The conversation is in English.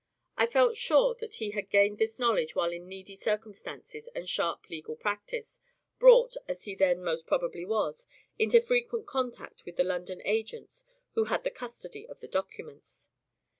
I felt sure that he had gained this knowledge while in needy circumstances and sharp legal practice, brought, as he then most probably was, into frequent contact with the London agents who had the custody of the documents.